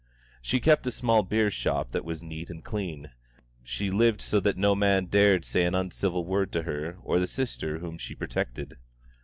She kept a small beer shop that was neat and clean; she lived so that no man dared to say an uncivil word to her or to the sister whom she protected.